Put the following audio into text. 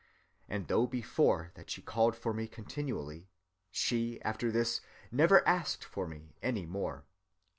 And though before that she called for me continually, she after this never asked for me any more."